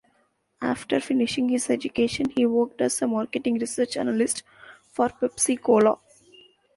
After finishing his education, he worked as a marketing research analyst for Pepsi Cola.